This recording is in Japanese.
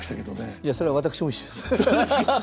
いやそれは私も一緒です。